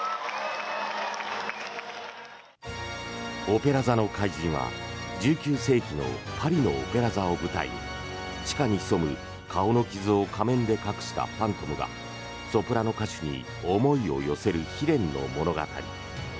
「オペラ座の怪人」は１９世紀のパリのオペラ座を舞台に地下に潜む顔の傷を仮面で隠したファントムがソプラノ歌手に思いを寄せる悲恋の物語。